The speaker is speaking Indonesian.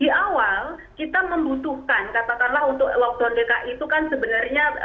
di awal kita membutuhkan katakanlah untuk lockdown dki itu kan sebenarnya